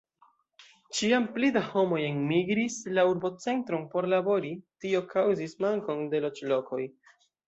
Ĉiam pli da homoj enmigris la urbocentron por labori; tio kaŭzis mankon de loĝlokoj.